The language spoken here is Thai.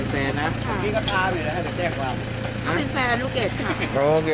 เพราะเขาแต่ว่าเขาทำร้ายหนูมาทุกครั้งเขาเป็นแฟน